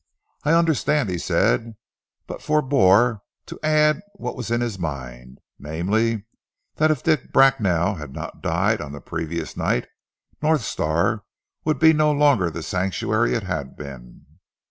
"I understand," he said, but forbore to add what was in his mind; namely, that if Dick Bracknell had not died on the previous night, North Star would be no longer the sanctuary it had been.